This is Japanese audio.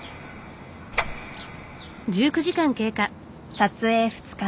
撮影２日目。